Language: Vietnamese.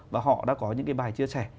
và họ đã có những cái bài chia sẻ